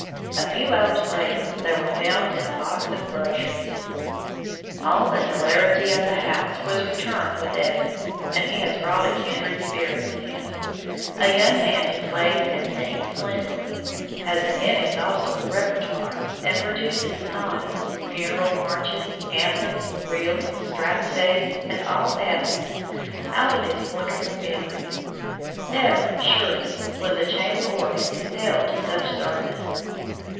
A few hours later they were found in a box of groceries! All the hilarity of the house has returned with Evans, and he has brought a kindred spirit with him, a young man who plays and sings splendidly, has an inexhaustible repertoire, and produces sonatas, funeral marches, anthems, reels, strathspeys, and all else, out of his wonderful memory. Never, surely was a chamber organ compelled to such service.